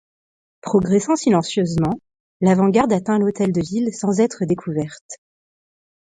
Progressant silencieusement, l'avant-garde atteint l'hôtel de ville sans être découverte.